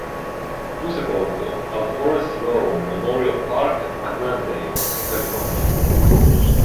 Fu sepolto al Forest Lawn Memorial Park a Glendale, in California.